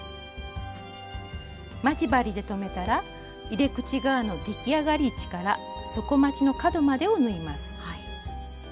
待ち針で留めたら入れ口側の出来上がり位置から底まちの角までを縫います。